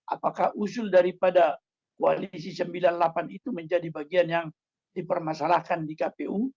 apakah usul daripada koalisi sembilan puluh delapan itu menjadi bagian yang dipermasalahkan di kpu